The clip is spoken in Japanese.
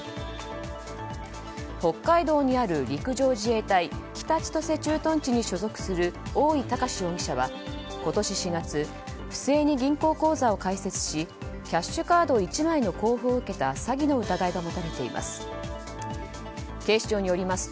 北海道にある陸上自衛隊北千歳駐屯地に所属する大井崇容疑者は今年４月不正に銀行口座を開設しキャッシュカード１枚の交付を受けた詐欺の疑いが持たれています。